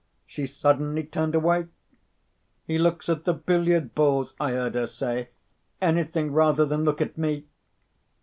She suddenly turned away. 'He looks at the billiard balls,' I heard her say. 'Anything rather than look at _me!